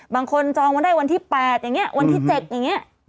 จองไว้ได้วันที่๘อย่างนี้วันที่๗อย่างนี้